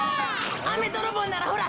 アメどろぼうならほら